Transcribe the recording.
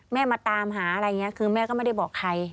มาตามหาอะไรอย่างนี้คือแม่ก็ไม่ได้บอกใคร